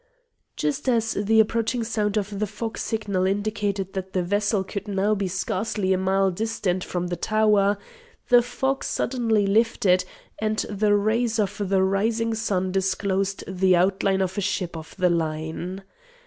Just as the approaching sound of the fog signal indicated that the vessel could now be scarcely a mile distant from the tower, the fog suddenly lifted, and the rays of the rising sun disclosed the outline of a ship of the line.